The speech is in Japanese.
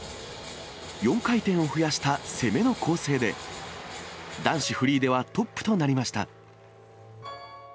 ４回転を増やした攻めの構成で、男子フリーではトップとなりました。